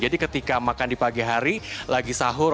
jadi ketika makan di pagi hari lagi sahur